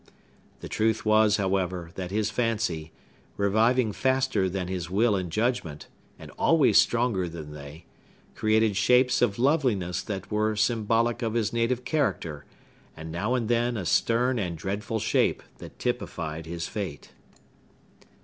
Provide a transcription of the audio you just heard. The truth was, however, that his fancy—reviving faster than his will and judgment, and always stronger than they—created shapes of loveliness that were symbolic of his native character, and now and then a stern and dreadful shape that typified his fate.